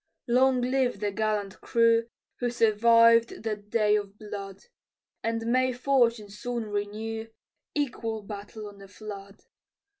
Long live the gallant crew Who survived that day of blood: And may fortune soon renew Equal battle on the flood.